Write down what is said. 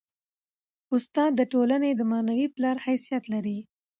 استاد د ټولني د معنوي پلار حیثیت لري.